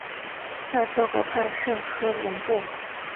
盖特河畔圣科隆布。